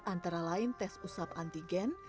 antara lain tes usap antigen